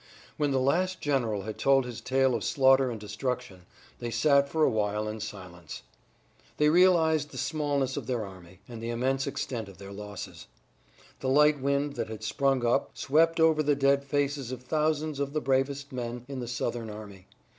When the last general had told his tale of slaughter and destruction, they sat for a while in silence. They realized the smallness of their army, and the immense extent of their losses. The light wind that had sprung up swept over the dead faces of thousands of the bravest men in the Southern army.